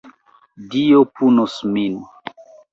Dio punos min!